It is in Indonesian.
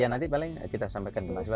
ya nanti paling kita sampaikan ke masyarakat